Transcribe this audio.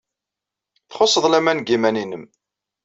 Txuṣṣed laman deg yiman-nnem.